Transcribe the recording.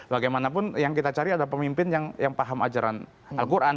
bagaimanapun yang kita cari ada pemimpin yang paham ajaran al quran